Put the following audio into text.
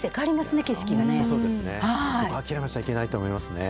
底を諦めちゃいけないと思いますね。